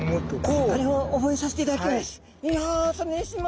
覚えさせていただきます。